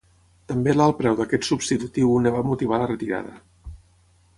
També l'alt preu d'aquest substitutiu en va motivar la retirada.